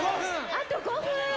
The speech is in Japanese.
あと５分。